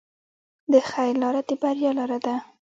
د خیر لاره د بریا لاره ده.